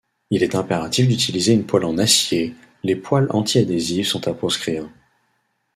Il est impératif d’utiliser une poêle en acier, les poêles antiadhésives sont à proscrire.